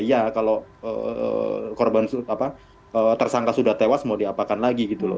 iya kalau tersangka sudah tewas mau diapakan lagi gitu loh